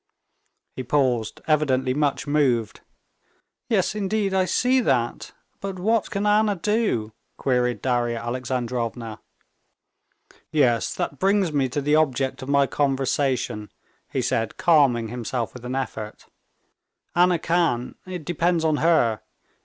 He paused, evidently much moved. "Yes, indeed, I see that. But what can Anna do?" queried Darya Alexandrovna. "Yes, that brings me to the object of my conversation," he said, calming himself with an effort. "Anna can, it depends on her....